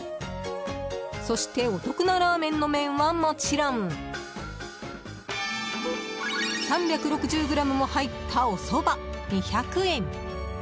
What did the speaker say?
そして、お得なラーメンの麺はもちろん３６０ｇも入ったおそば、２００円。